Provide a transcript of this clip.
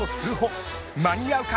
間に合うか！